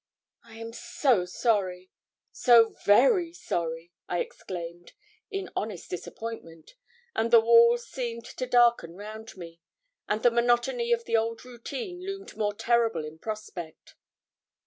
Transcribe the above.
'I am so sorry so very sorry,' I exclaimed, in honest disappointment, and the walls seemed to darken round me, and the monotony of the old routine loomed more terrible in prospect.